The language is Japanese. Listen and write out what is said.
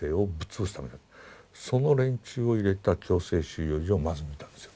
その連中を入れた強制収容所をまず見たんですよ。